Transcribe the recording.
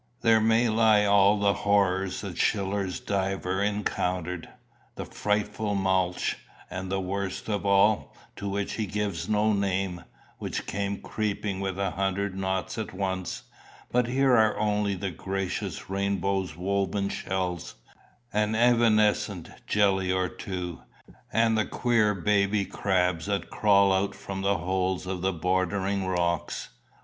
There may lie all the horrors that Schiller's diver encountered the frightful Molch, and that worst of all, to which he gives no name, which came creeping with a hundred knots at once; but here are only the gracious rainbow woven shells, an evanescent jelly or two, and the queer baby crabs that crawl out from the holes of the bordering rocks.